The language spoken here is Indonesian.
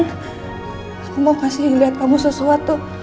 aku mau kasih lihat kamu sesuatu